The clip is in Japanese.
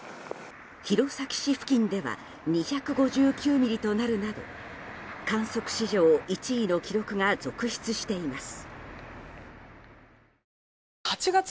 弘前市付近では２５９ミリとなるなど観測史上１位の記録が続出しています。